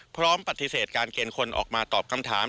พร้อมปฏิเสธการเกณฑ์คนออกมาตอบคำถาม